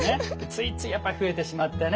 ついついやっぱり増えてしまってね